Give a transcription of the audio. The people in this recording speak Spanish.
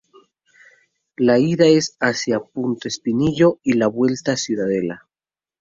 La ida es hacia Punta Espinillo y la vuelta Ciudadela.